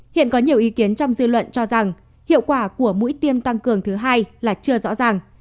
hiện có nhiều ý kiến trong dư luận cho rằng hiệu quả của mũi tiêm tăng cường thứ hai là chưa rõ ràng